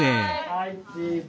はいチーズ。